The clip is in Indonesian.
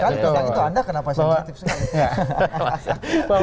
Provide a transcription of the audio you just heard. kalau tidak itu anda kenapa sensitif sekali